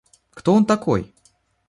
Кто он такой?